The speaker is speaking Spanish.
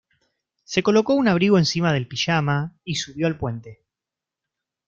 Se colocó un abrigo encima del pijama y subió al puente.